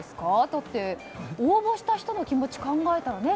だって、応募した人の気持ち考えたらね。